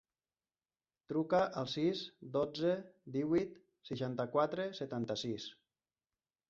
Truca al sis, dotze, divuit, seixanta-quatre, setanta-sis.